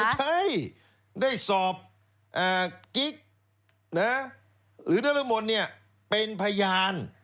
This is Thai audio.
ไม่ใช่ได้สอบกิ๊กนะหรือทั้งหมดเนี่ยเป็นพยาน